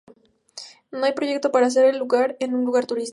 No hay proyecto para hacer el lugar en un lugar turístico.